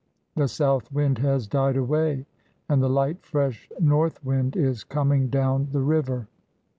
The south wind has died away, and the light, fresh north wind is coming down the river.